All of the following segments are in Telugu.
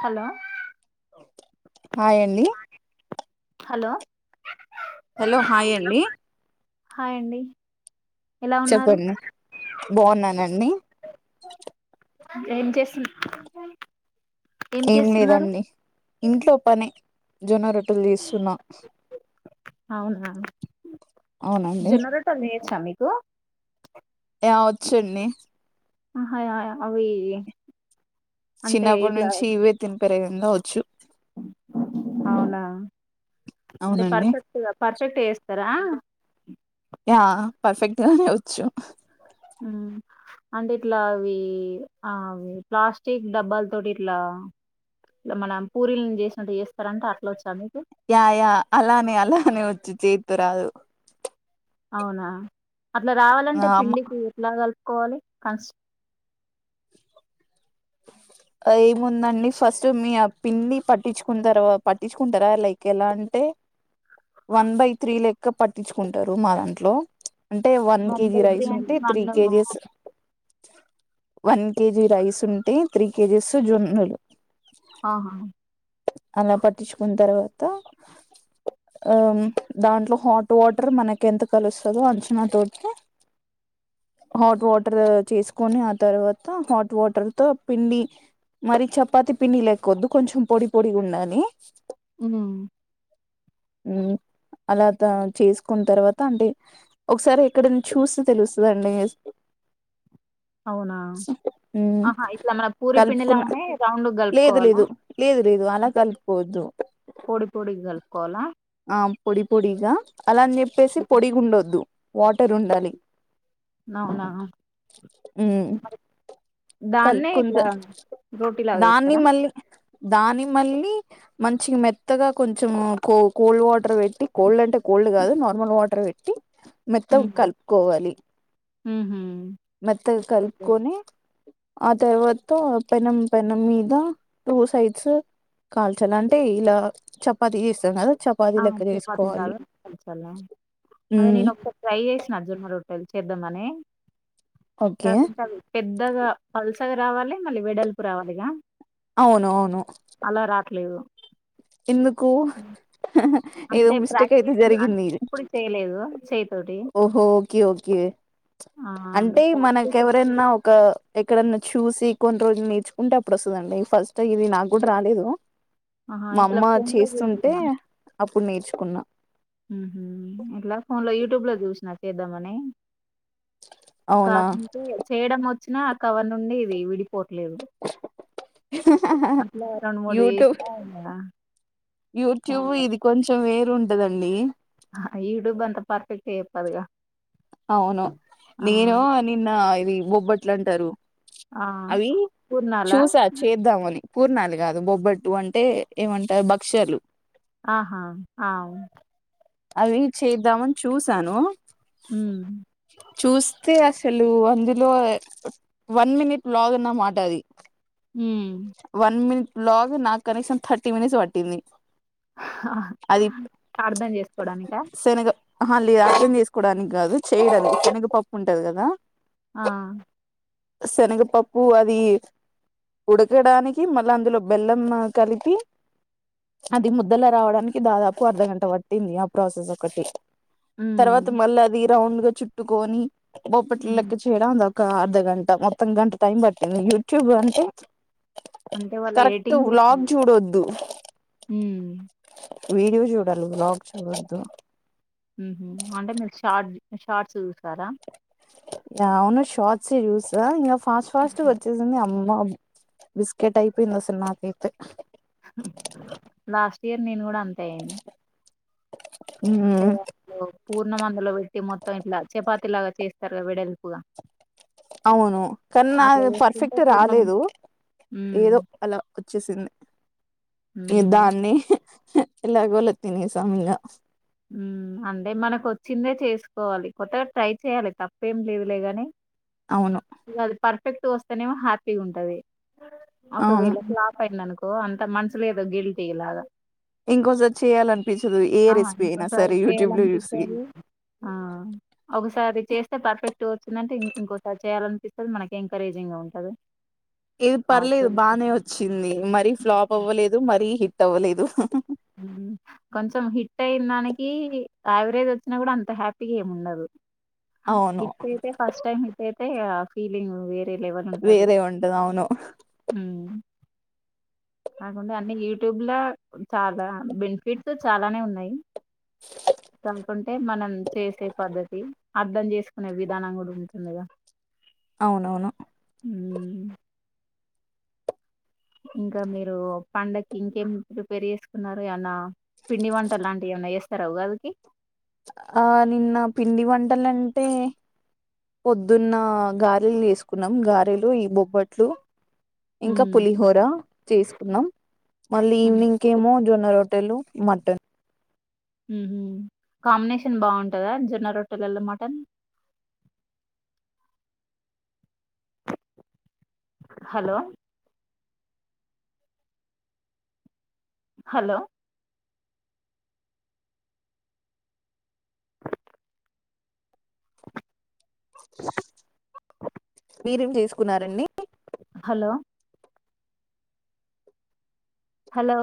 హలో హాయండి హలో హాయ్ అండి హాయండి చెప్పండి బావున్నానండి ఏం చేసింది ఏం లేదండి ఇంట్లో పనే జొన్నరొట్ అవునా అవునా అండి కు ఆ వచ్చండి ఆహా య అవీ చిన్నప్పటి నుంచి ఇవే తిన్ పరగందా వచ్చు అవునా అంటే అవునండి పర్ఫెక్ట్ గా పర్ఫెక్ట్ జేస్తరా యా పర్ఫెక్ట్ గానే వచ్చు మ్మ్ అంటే ఇట్లా అవి ఆ ప్లాస్టిక్ డబ్బాల తోటి ఇట్లా మనం పూరీలను చేసినట్టు చేస్తరంటే అట్లొచ్చా మీక్ యా యా అలానే అలానే వచ్చు చే తురాదు అవునా అట్లా రావాలంటే ఆ అమ్మ పిండికి ఎట్లాగా కోలి కన్స్ ఏముందండి ఫస్ట్ మీ ఆ పిన్ని పట్టించుకు తర్వా పట్టించుకుంటారా లైక్ ఎలా అంటే వన్ బై త్రీ లెక్క పట్టించుకుంటారు మా దాంట్లో. అంటే one KG by three rice అంటే ఉంటే three one KGs one KG rice ఉంటు త్రీ కేజీస్ జొన్నులు ఆహా అలా పట్టించుకున్న తర్వాత ఆ దాంట్లో హాట్ వాటర్ మనకి ఎంత కలుస్తుందో అంచనా తోటి హాట్ వాటర్ చేసుకొని ఆ తర్వాత హాట్ వాటర్. పిండి మరి చపాతి పిండి లేకద్దు కొంచెం పొడి పొడి ఉండాలి అవునా అలా త చేసుకున్న తర్వాత అంటే ఒకసారి ఎక్కడ చూసి తెలుస్తుందండి. అవునా ఆహా ఇట్లా మన పూరి కలుపుకున్న పిండిలోనే రౌండ్ లేదు కలుపుకోవాలా లేదు లేదు లేదు అలా కలుపుకోవద్దు పొడి పొడి కలుపుకోవాలా. పొడి పొడిగా. అలా అని చెప్పేసి పొడిగి ఉండొద్దు. వాటర్ ఉండాలి. అవునా ఉమ్ దాన్నే కలుపుకుంటా ఇట్లా రోటీ లాగా వేస్తారా దాని మళ్ళీ మంచి మెత్తగా కొంచెం కో కోల్డ్ వాటర్. వాటర్ పెట్టి కోల్డ్ అంటే కోల్డ్ కాదు నార్మల్ వాటర్ పెట్టి. మెత్తం హ్మ్. కలుపుకోవాలి హుహు. మెత్త కలుపుకొని ఆ తర్వాత పెనం పెనం మీద టూ సైడ్స్ కాల్చాలి అంటే ఇలా చపాత చేస్తాం కదా. చపాతీ ఆ లెక్క పదినాళ చేసుకోవాలి పలే అదే ఉమ్ నేను ఒకారి ట్రై చేసిన అజుర్మ రొట్. పెలి చే చేద్దామని ఓకే పెద్దగా అల్సి రావాలి మళ్ళ వెడల్పు రావాలి ఇగా అవును అవును లేదు ఎందుకు ఏదో అంతే మిస్టేక్ అయితే ప్రాక్టీస్ అ జరిగింది ఎప్పుడు చేయలేదు స ఓహో ఓకే ఓకే ఆ! అంటే మనక ప్రాక్టీస్ ఎవరన్నా ఒక ఎక్కడ చూసి కొన్ని రోజులు నేర్చుకుంటే అప్పుడు వస్తుందండి ఫస్ట్ ఇది నాకు కూడా రాలేదు. ఆహా! మా ఇట్లా అమ్మ ఫోన్‌లో చేస్తుంటే చూసిన. ఇప్పుడు నేర్చుకున్నా ఎలా ఫోన్ లో యూట్యూబ్ లొ చుసిన చేదామనే అవునా కాకుపోతే చేయడం వ వచ్చినా ఆ కవర్ నుండి ఇది విడి పోట్లేదు అట్లా రెండు మూడు యూట్యూబ్ వేసినా యూట్యూబ్ ఇది కొంచం వేరుంట దగండి యూట్యూబూ అంతా పర్ఫెక్ట్ గా చెప్పాదు గా అవును నేను నిన్న ఇది ఒబ్బట్ ఎట్లా అంటారు ఆ అవి పూర్ణాలా చూసా చేద్దామని పూర్ణాలి కాదు బొబ్బట్టు అంటే ఏమంటారు భక్ష్యలు ఆహా ఆ అవి చేద్దామని చూసాను హ చూస్తే అసలు అందులో వన్ మినిట్ లాగ అన్నమాట అది హ వన్ మినిట్ బ్లాగ్ నాకు కనీసం థర్టీ మినిట్స్ పట్టింది ఆ అది అర్థం చేస్త చూడానికా ఆ లేద అర్థం చేసుకోవడానికి కాదు చేయడానికి శనగపప్పు ఉంటది కదా ఆ శనగపప్పు అది ఉడకడానికి మళ్ళా అందులో బెల్లం కలిపి అది ముద్దల రావడానికి దాదాపు అర్ధగంట పడుంది ఏంది ఆ ప్రాసెస్ ఒకటి ఉమ్ తర్వాత మళ్ళీ అది ర్రౌండ్ గా చుట్టుకొని ఉమ్ బొప్పట్లకి చ్చేడడా ఉంద ఒక అర్ధగంట మొత్తం గంట టైం పట్టింది యూట్యూబ్ అంటే అంటే వాళ్ళు కరెక్ట్ ఎడిటింగ్ చేస్తు వ్లాగ్ చూడొద్దు వీడియో చూడాల బ్ వద్దు అంటే మ షార్ట్ షార్ట్స్ చూస్తారా వున్న సవాచ్ స్ ఫాస్ట్ ఫాస్ట్ వచ్చేసింది అమ్ బాబు బిస్కెట్ అయిపోయింది అసలు నాకైతే. లాస్ట్ ఇయర్ నేను కూడా అంతే అయింది. అంటే హ్మ్. అప్పుడు పూర్ణమందులో పెట్టి మొత్తం ఇట్లా చపాతి లాగా చేస్తారుగా వెడల్పుగా. అవును కానీ అట్లా నాది చేసుకుంటే పర్ఫెక్ట్ పూర్ణం రాలేదు హ్మ్ ఏదో అలా వచ్చేసింది. ఈ హ్మ్ దాన్ని ఎలాగోల తినేసం ఇగ హ్మ్ అంటే మనకు వచ్చిందే చేసుకోవాలి కొత్తగా ట్రై చేయాలి తప్పేం లేదులేగాని. అవును ఇగ అది ఫర్ ఫేక్ట్ వస్తేనేమో హ్యాపీగా ఉంటది. అవును ఒకవేళ ఫ్లాప్ అయిందను కో అంత మనసుల ఏదో గిల్టీ లాగా ఇంకోసారి చేయాలినిపించదు ఏ ఆ రెసిపీ అయినా స ఇంకోసారి ఆ ఒకసారి చేస్తే పర్ఫెక్ట్ గా వచ్చిందంటే ఇంకోసారి చేయాలనిపిస్తుంది మనకి ఎంకరేజింగ్ గా ఉంటది. ఏది పర్లేదు అట్లా బానే వచ్చింది మరీ ఫ్లాప్ అవ్వలేదు మరీ హిట్ హిట్ అవ్వలేదు కొంచెం హిట్ అయిన దానికి యావరేజ్ వచ్చినా కూడా అంత హ్యాపీగా ఏమి ఉండదు. అవును హిట్ అయితే ఫస్ట్ టైం హిట్ అయితే తే అ ఫీలింగ్ వే రే లెవల్ ఉంటంది. వేరే ఉంటది అవును కాకుంటే అన్ని యూట్యూబ్లా చాలా బెనిఫిట్స్ చాలానే ఉన్నాయి. అనుకుంటే మనం చేసే పద్ధతి అర్ధం చేసుకునే విధానం కూడా ఉంటుందిగా. అవునవును హ్మ్. ఇంకా మీరు పండకి ఇంకేం ప్రిపేర్ చేసుకున్నారు ఏమన్నా పిండి వంట లాంటివి ఏమైన్నా చేస్తారా ఉగాదికి. ఆ నిన్న పిండి వంటలుంటే పొద్దున్న గారెలు చేసుకున్నాం గారెలు ఈ బొబ్బట్లు ఇంకా హ్మ్. పులిహోర చేసుకున్నాం మళ్ళీ హ్మ్. ఈవినింగ్ కి ఏమో జొన్న రోట్టెలు మటన్ ఉమ్ హూ కాంబినేషన్ బాగుంటందా జొన్న రొట్టెల్లల మటన్ హలో హలో చుకున్నారండి హలో హలో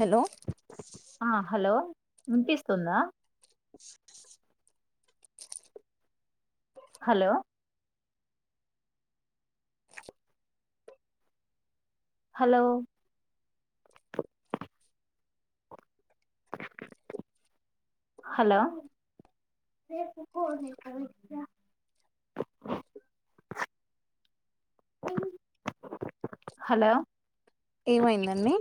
హలో ఆ హలో వినిపిస్తుందా హలో హలో హలో హలో ఏమైందండి